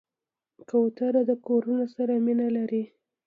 کوتره د کورونو سره مینه لري.